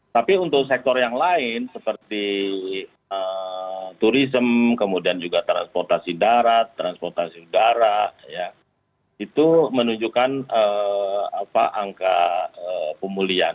tapi untuk sektor yang lain seperti turisme kemudian juga transportasi darat transportasi udara itu menunjukkan angka pemulihan